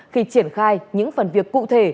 khi triển khai những phần việc cụ thể